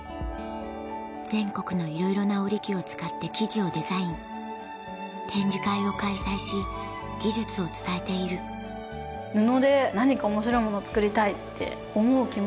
全国のいろいろな織機を使って生地をデザイン展示会を開催し技術を伝えている布で何か面白いものを作りたいって思う気持ち。